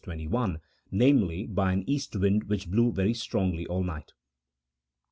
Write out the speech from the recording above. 21), namely, by an east wind which blew very strongly all night.